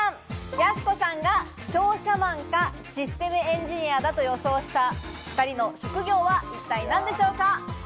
やす子さんが、商社マンかシステムエンジニアだと予想した２人の職業は一体何でしょうか？